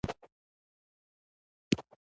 زه د اوبو غږ خوښوم.